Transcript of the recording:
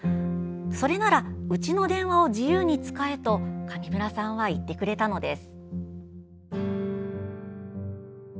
それならうちの電話を自由に使えと上村さんが言ってくれたのです。